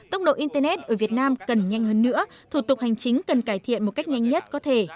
tốc độ internet ở việt nam cần nhanh hơn nữa thủ tục hành chính cần cải thiện một cách nhanh nhất có thể